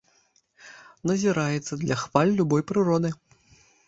Назіраецца для хваль любой прыроды.